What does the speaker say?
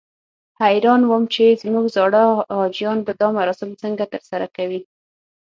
حیران وم چې زموږ زاړه حاجیان به دا مراسم څنګه ترسره کوي.